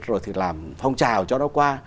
rồi thì làm phong trào cho nó qua